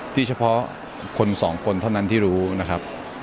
เฉพาะคนสองคนเท่านั้นที่รู้นะครับ